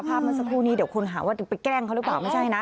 เมื่อสักครู่นี้เดี๋ยวคนหาว่าไปแกล้งเขาหรือเปล่าไม่ใช่นะ